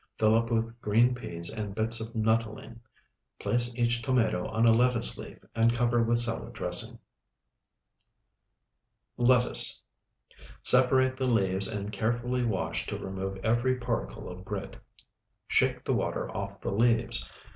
Fill up with green peas and bits of nuttolene. Place each tomato on a lettuce leaf, and cover with salad dressing. LETTUCE Separate the leaves and carefully wash to remove every particle of grit. Shake the water off the leaves.